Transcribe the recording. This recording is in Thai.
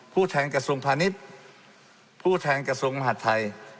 แทนกระทรวงพาณิชย์ผู้แทนกระทรวงมหาดไทย